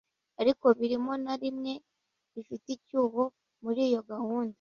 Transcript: ariko birimo na bimwe bifite icyuho muri iyo gahunda